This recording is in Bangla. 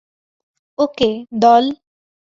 ওকে, দল।